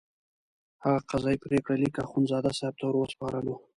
هغه قضایي پرېکړه لیک اخندزاده صاحب ته وروسپارلو.